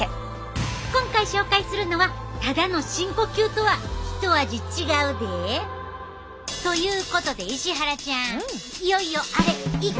今回紹介するのはただの深呼吸とは一味違うで！ということで石原ちゃんいよいよあれいってみよか。